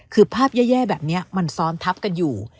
คือภาพแย่แบบนี้มันซ้อนทับกันอยู่